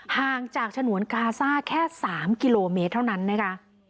ห่างจากฉนวนกาซ่าแค่๓กิโลเมตรเท่านั้นนะคะ